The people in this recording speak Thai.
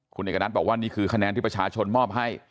คุณเอกณัฐบอกว่านี่คือคะแนนที่ประชาชนมอบให้